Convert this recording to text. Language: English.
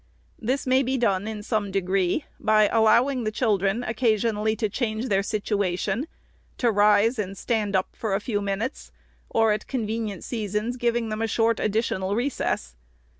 This may be done, in some degree, by allowing the children occasionally to change their situation, to rise and stand up a few minutes ; or, at convenient seasons, giving them a short additional re eess.